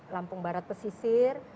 lampung barat pesisir